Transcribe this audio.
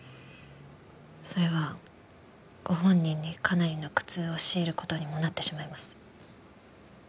それはご本人にかなりの苦痛を強いる事にもなってしまいます。